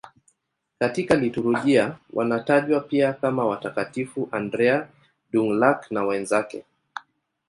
Katika liturujia wanatajwa pia kama Watakatifu Andrea Dũng-Lạc na wenzake.